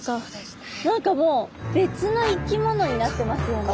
何かもう別の生き物になってますよね。